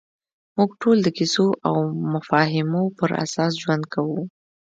موږ ټول د کیسو او مفاهیمو پر اساس ژوند کوو.